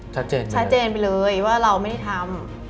ชัดเจนไปเลยว่าเราไม่ได้ทำ